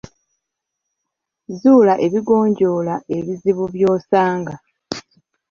Zuula ebigonjoola ebizibu by'osanga.